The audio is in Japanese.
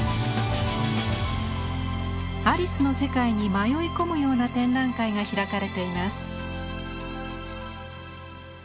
アリスの世界に迷い込むような展覧会が開かれています。